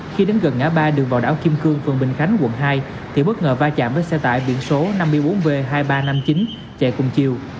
khi đến gần ngã ba đường vào đảo kim cương phường bình khánh quận hai thì bất ngờ va chạm với xe tải biển số năm mươi bốn b hai nghìn ba trăm năm mươi chín chạy cùng chiều